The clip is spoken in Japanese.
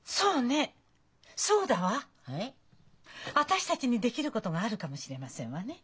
私たちにできることがあるかもしれませんわね。